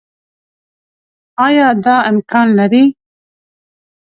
آيا دا امکان لري